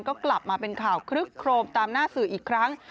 ก็กลับมาเป็นข่าวคลึกโครมตามหน้าสื่ออีกครั้ง